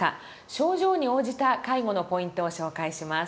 症状に応じた介護のポイントを紹介します。